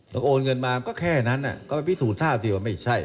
โอนเงินมาก็แค่นั้นก็ไปพิสูจน์ทราบสิว่าไม่ใช่